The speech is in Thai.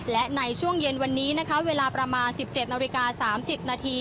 และในช่วงเย็นวันนี้เวลาประมาณ๑๗น๓๐น